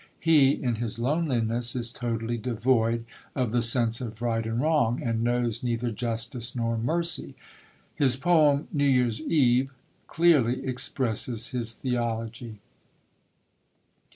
He in his loneliness is totally devoid of the sense of right and wrong, and knows neither justice nor mercy. His poem New Year's Eve clearly expresses his theology.